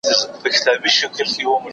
ژبه د پوهي د انتقال وسیله ده.